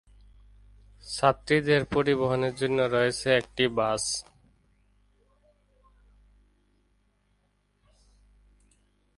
ছাত্রীদের পরিবহনের জন্য রয়েছে একটি বাস।